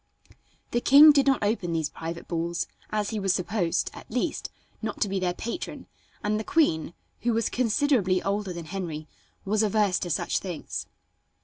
The king did not open these private balls, as he was supposed, at least, not to be their patron, and the queen, who was considerably older than Henry, was averse to such things.